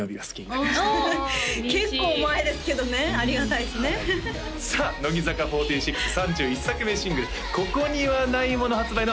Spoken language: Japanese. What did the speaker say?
おお嬉しい結構前ですけどねありがたいですねさあ乃木坂４６３１作目シングル「ここにはないもの」発売の